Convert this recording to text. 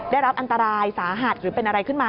ได้รับอันตรายสาหัสหรือเป็นอะไรขึ้นมา